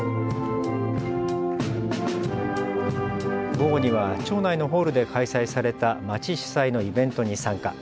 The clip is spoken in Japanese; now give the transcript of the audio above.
午後には町内のホールで開催された町主催のイベントに参加。